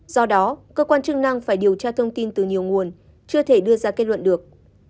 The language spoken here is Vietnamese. do đó cơ quan chức năng phải điều tra thông tin từ nhiều nguồn chưa thể đưa ra kết luận được